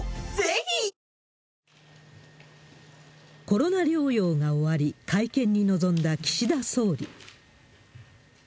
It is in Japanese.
コロナ療養が終わり、会見に臨んだ岸田総理。